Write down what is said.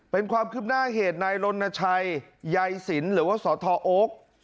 เป็นความคืบหน้าเหตุนายลนชัยใยสินหรือว่าสทโอ๊ค